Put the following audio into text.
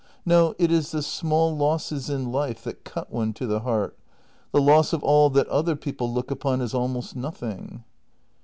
No, it is the small losses in life that cut one to the heart — the loss of all that other people look upon as almost nothing.